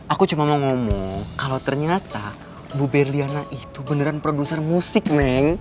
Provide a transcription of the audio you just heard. aku cuma mau ngomong kalau ternyata bu berliana itu beneran produser musik